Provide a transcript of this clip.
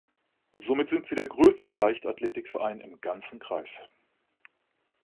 Somit sind sie der größte Leichtathletikverein im ganzen Kreis.